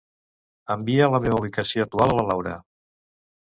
Envia la meva ubicació actual a la Laura.